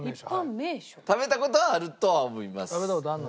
食べた事はあるとは思います。